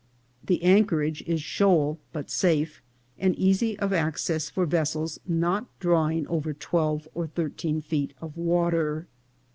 The anchorage is shoal but safe, and easy of access for ves sels not drawing over twelve or thirteen feet of water.